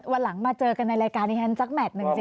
วันหลังมาเจอกันในรายการที่ฉันสักแมทหนึ่งสิ